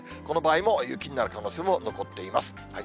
この場合も雪になる可能性も残っています。